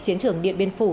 chiến trường điện biên phủ